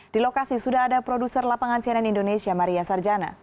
di lokasi sudah ada produser lapangan cnn indonesia maria sarjana